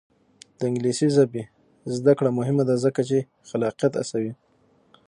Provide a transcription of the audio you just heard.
د انګلیسي ژبې زده کړه مهمه ده ځکه چې خلاقیت هڅوي.